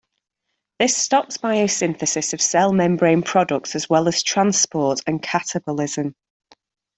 This stops biosynthesis of cell membrane products as well as transport and catabolism.